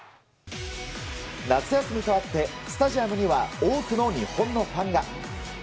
夏休みとあってスタジアムには多くの日本のファンが。